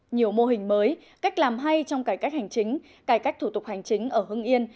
nhiều mô hình mới cách làm hay trong cải cách hành chính cải cách thủ tục hành chính ở hưng yên